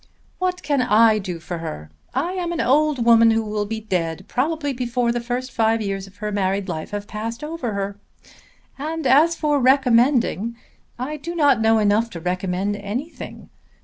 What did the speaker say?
"What can I do for her? I am an old woman who will be dead probably before the first five years of her married life have passed over her. And as for recommending, I do not know enough to recommend anything.